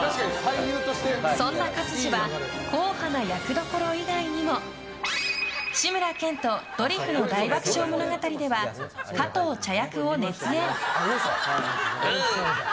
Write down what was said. そんな勝地は硬派な役どころ以外にも「志村けんとドリフの大爆笑物語」では加藤茶役を熱演。